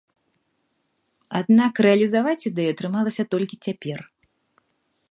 Аднак рэалізаваць ідэю атрымалася толькі цяпер.